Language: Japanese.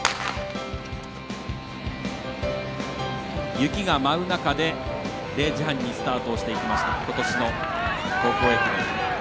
雪が舞う中で０時半にスタートしていきましたことしの高校駅伝。